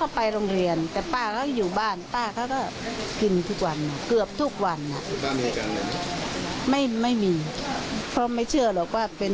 ก็จะไปด้วยละมั้ง